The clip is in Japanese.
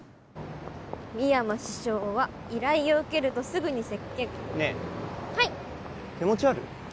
深山師匠は依頼を受けるとすぐに接見ねえはい手持ちある？